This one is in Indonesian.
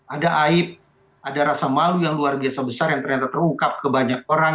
ada aib ada rasa malu yang luar biasa besar yang ternyata terungkap ke banyak orang